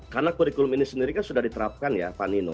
karena kurikulum ini sendiri kan sudah diterapkan ya pak nino